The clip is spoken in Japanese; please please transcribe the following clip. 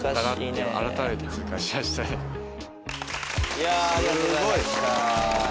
いやありがとうございました。